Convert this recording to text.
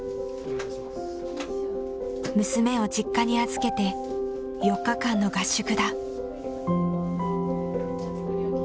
娘を実家に預けて４日間の合宿だ。